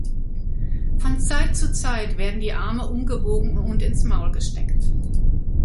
Von Zeit zu Zeit werden die Arme umgebogen und ins Maul gesteckt.